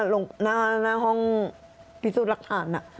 ลงน่าน่าห้องพิสูจน์รักฐานอ่ะค่ะ